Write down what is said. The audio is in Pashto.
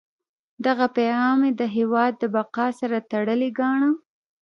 دغه پیغام یې د هیواد د بقا سره تړلی ګاڼه.